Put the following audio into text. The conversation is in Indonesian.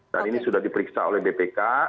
dan ini sudah diperiksa oleh bpk